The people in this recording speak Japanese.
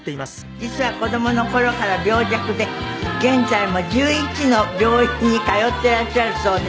実は子どもの頃から病弱で現在も１１の病院に通ってらっしゃるそうで大変。